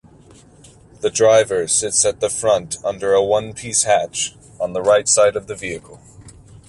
The driver sits at the front under a one-piece hatch on the right side of the vehicle.